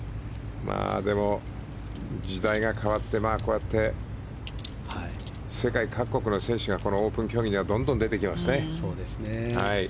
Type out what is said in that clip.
でも時代が変わってこうやって世界各国の選手が、オープン競技にはどんどん出てきますね。